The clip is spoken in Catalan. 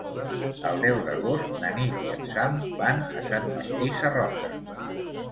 El deu d'agost na Nit i en Sam van a Sant Martí Sarroca.